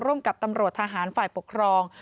ร่วมกับตำรวจทหารฝ่ายปกครอง